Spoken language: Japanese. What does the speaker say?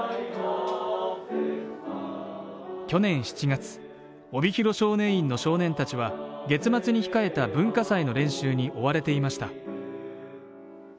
去年７月、帯広少年院の少年たちは月末に控えた文化祭の練習に追われていました。